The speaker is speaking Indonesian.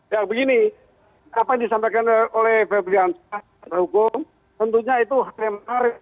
ya begini apa yang disampaikan oleh febri diansah dan hukum tentunya itu hukum yang menarik